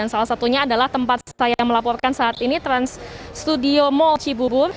salah satunya adalah tempat saya melaporkan saat ini trans studio mall cibubur